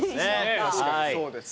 確かにそうですね。